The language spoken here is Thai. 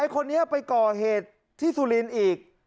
คนนี้ไปก่อเหตุที่สุรินทร์อีก